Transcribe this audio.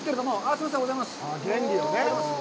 すいません、おはようございます。